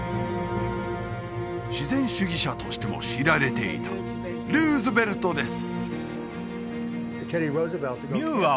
自然主義者としても知られていたルーズベルトです